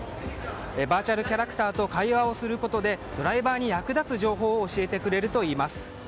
バーチャルキャラクターと会話をすることでドライバーに役立つ情報を教えてくれるといいます。